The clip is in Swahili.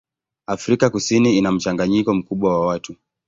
Afrika Kusini ina mchanganyiko mkubwa wa watu.